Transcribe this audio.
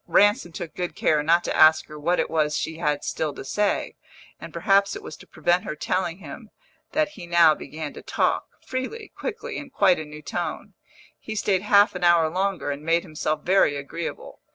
Ransom took good care not to ask her what it was she had still to say, and perhaps it was to prevent her telling him that he now began to talk, freely, quickly, in quite a new tone. He stayed half an hour longer, and made himself very agreeable.